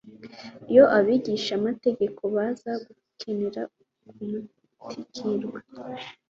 Iyo abigishamategeko baza gukenera kumtuikirwa,